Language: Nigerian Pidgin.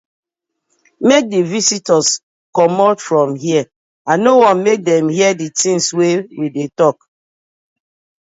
Mak di visitors comot from here I no wan mek dem hear di tinz wey we dey tok.